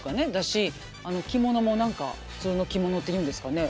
あの着物も何か普通の着物っていうんですかね。